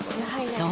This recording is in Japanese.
そう！